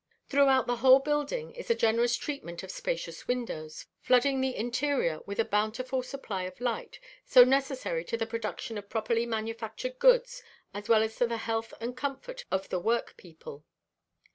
] Throughout the whole building is a generous treatment of spacious windows, flooding the interior with a bountiful supply of light, so necessary to the production of properly manufactured goods as well as to the health and comfort of the work people.